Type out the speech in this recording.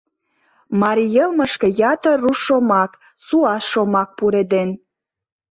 Марий йылмышке ятыр руш шомак, суас шомак пуреден.